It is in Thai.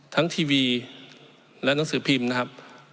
ทีวีและหนังสือพิมพ์นะครับ